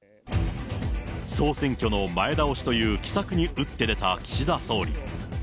総選挙の前倒しという奇策に打って出た岸田総理。